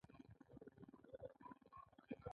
یو اتوم له کومو برخو څخه جوړ شوی دی